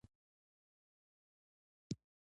نفت د افغانستان د شنو سیمو ښکلا ده.